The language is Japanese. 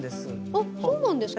あっそうなんですか。